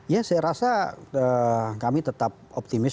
ya saya rasa kami tetap optimis